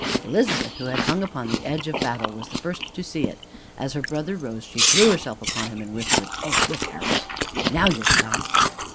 Elizabeth, who had hung upon the edge of battle, was the first to see it. As her brother rose, she threw herself upon him and whispered: "Oh, look, Harold! Now you'll stop!"